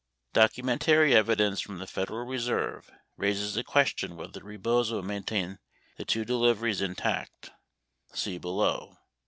Documentary evidence from the Federal Reserve raises a ques tion whether Rebozo maintained the two deliveries intact (see below).